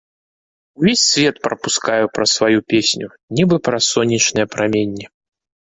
Увесь свет прапускаю праз сваю песню, нібы праз сонечныя праменні.